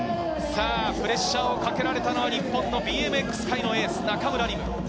プレッシャーをかけられたのは日本のＢＭＸのエース・中村輪夢。